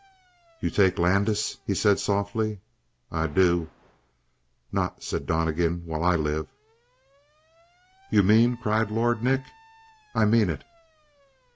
"You take Landis?" he said softly. "I do." "Not," said Donnegan, "while I live!" "You mean " cried Lord Nick. "I mean it!"